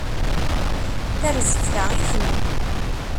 Tarzeft-a i kemm.